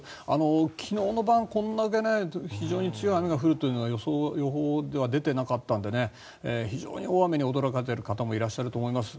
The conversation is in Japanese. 昨日の晩、これだけ非常に強い雨が降るというのは予報では出ていなかったので非常に大雨に驚かれている方もいらっしゃると思います。